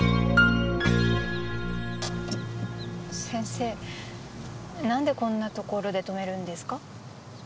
先生なんでこんなところで止めるんですか？